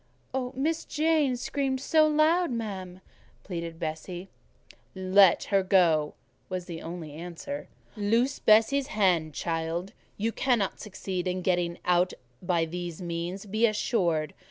"Miss Jane screamed so loud, ma'am," pleaded Bessie. "Let her go," was the only answer. "Loose Bessie's hand, child: you cannot succeed in getting out by these means, be assured.